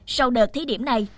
sau đợt thí điểm này